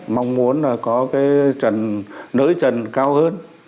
mong muốn là có cái nới trần cao hơn